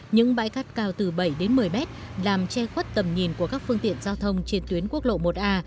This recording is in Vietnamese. những bãi cát cao từ bảy đến một mươi mét làm che khuất tầm nhìn của các phương tiện giao thông trên tuyến quốc lộ một a